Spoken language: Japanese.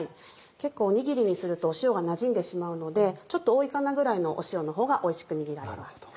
結構おにぎりにすると塩がなじんでしまうのでちょっと多いかなぐらいの塩のほうがおいしく握られます。